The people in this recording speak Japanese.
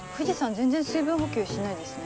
全然水分補給しないですね。